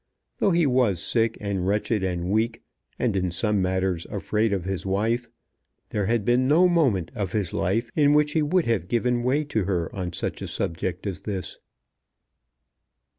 Though he was sick and wretched and weak, and in some matters afraid of his wife, there had been no moment of his life in which he would have given way to her on such a subject as this.